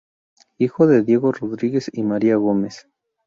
Hijo de Diego Rodríguez y María Gómez.